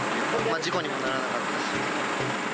事故にもならなかったし。